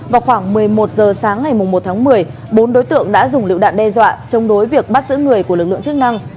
vào khoảng một mươi một giờ sáng ngày một tháng một mươi bốn đối tượng đã dùng lựu đạn đe dọa chống đối việc bắt giữ người của lực lượng chức năng